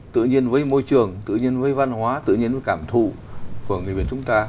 tự nhiên với môi trường tự nhiên với văn hóa tự nhiên với cảm thụ của người việt chúng ta